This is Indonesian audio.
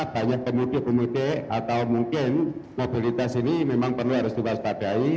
banyak pemudik pemudik atau mungkin mobilitas ini memang perlu harus diwaspadai